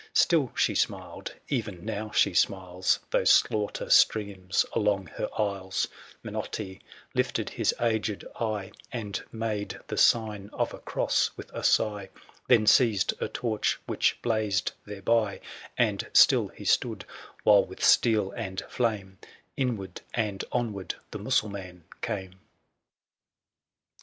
Still she smiled ; even now she smiles, Though slaughter streams along her aisles : Minotti lifted his aged eye, 915 And made the sign of a cross with a sigh, Then seized a torch which blazed thereby ; And still he stood, while, with steel and flame, Inward and onward the Mussulman came.